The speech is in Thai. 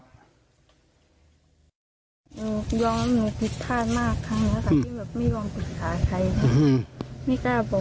หนูยอมหนูผิดท่ามากครั้งนี้แบบไม่ลองหาใครไม่แกล้วบอก